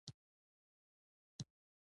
نن دارالمعلمین ته ټول مخلوق راغلى دی.